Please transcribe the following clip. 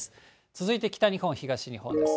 続いて北日本、東日本です。